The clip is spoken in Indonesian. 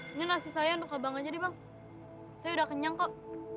ini nasi saya untuk abang aja nih bang saya udah kenyang kok